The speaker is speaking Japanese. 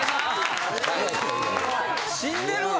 死んでるわ。